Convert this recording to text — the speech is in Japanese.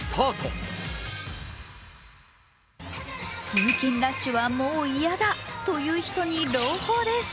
通勤ラッシュはもう嫌だという人に朗報です。